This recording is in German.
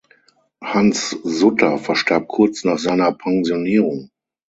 Hans Sutter verstarb kurz nach seiner Pensionierung.